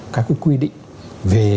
các cái quy định về